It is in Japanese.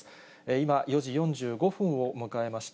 今、４時４５分を迎えました。